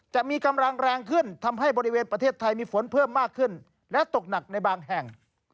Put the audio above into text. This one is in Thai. จะมีกำลังแรงขึ้นทำให้บริเวณประเทศไทยมีฝนเพิ่มมากขึ้นและตกหนักในบางแห่ง